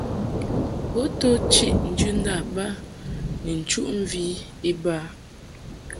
Bo to chiʼ njɨndâ ba ni nchuʼmvi iba.